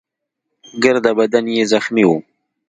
ګرده بدن يې زخمي وو.